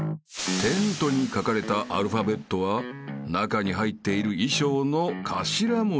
［テントに書かれたアルファベットは中に入ってる衣装の頭文字］